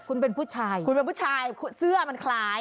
คุณเป็นผู้ชายคุณเป็นผู้ชายเสื้อมันคล้าย